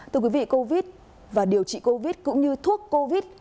thưa quý vị covid và điều trị covid cũng như thuốc covid